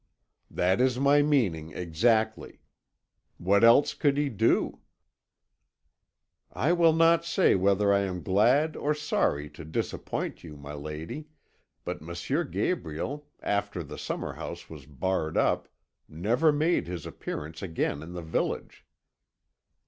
"That is my meaning exactly. What else could he do?" "I will not say whether I am glad or sorry to disappoint you, my lady, but M. Gabriel, after the summer house was barred up, never made his appearance again in the village."